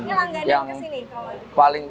ini langganan kesini